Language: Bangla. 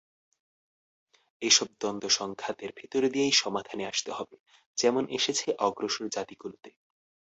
এসব দ্বন্দ্ব-সংঘাতের ভেতর দিয়েই সমাধানে আসতে হবে, যেমন এসেছে অগ্রসর জাতিগুলোতে।